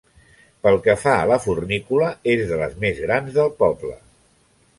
Pel que fa a la fornícula, és de les més grans del poble.